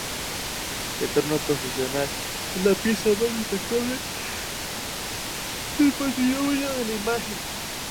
El trono procesional es la pieza más destacable del patrimonio de la imagen.